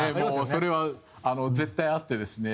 それは絶対あってですね。